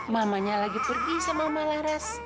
mamanya lagi pergi sama mama laras